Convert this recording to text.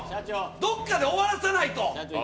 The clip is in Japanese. どっかで終わらせないと。